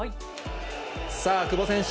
さあ、久保選手